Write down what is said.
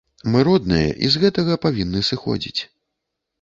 Мы родныя, і з гэтага павінны зыходзіць.